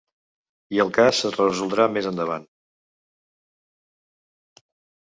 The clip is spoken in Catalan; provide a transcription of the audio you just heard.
I el cas es resoldrà més endavant.